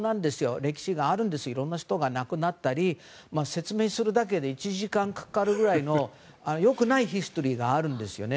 歴史があるんですいろんな人が亡くなったり説明するだけで１時間かかるくらいのよくないヒストリーがあるんですね。